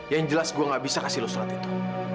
yang jelas gue nggak bisa kasih lu surat itu